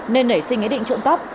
nên nảy sinh ý định trộm cắp